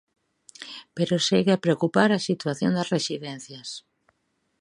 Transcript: Pero segue a preocupar a situación das residencias.